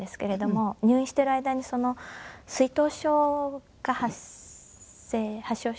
入院している間に水頭症が発症して。